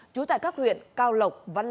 chú tại các huyện cao lộc văn lộc